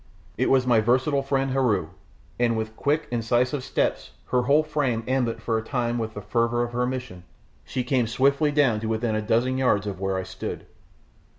It was my versatile friend Heru, and with quick, incisive steps, her whole frame ambent for the time with the fervour of her mission, she came swiftly down to within a dozen yards of where I stood.